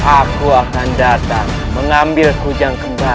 aku akan datang mengambil kujang kembali